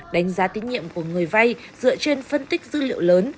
đánh giá tín nhiệm của người vay dựa trên phân tích dữ liệu lớn